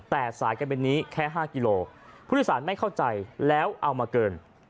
แต่สายการบินนี้แค่๕กิโลผู้โดยสารไม่เข้าใจแล้วเอามาเกิน